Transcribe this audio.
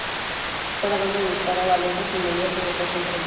Cada bando le disparaba al otro sin mediar provocación previa.